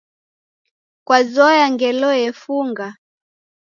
Kwazoya ngelo yefunga?